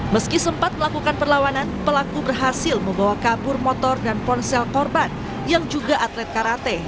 meski sempat melakukan perlawanan pelaku berhasil membawa kabur motor dan ponsel korban yang juga atlet karate